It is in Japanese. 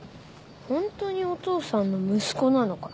ホントにお父さんの息子なのか？